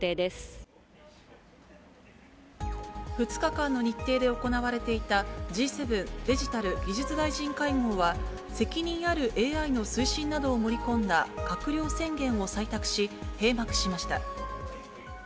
２日間の日程で行われていたＧ７デジタル・技術大臣会合は、責任あるＡＩの推進などを盛り込んだ閣僚宣言を採択し、閉幕しました。